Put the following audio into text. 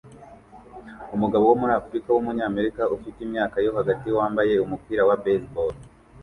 Umugabo wo muri Afurika wumunyamerika ufite imyaka yo hagati wambaye umupira wa baseball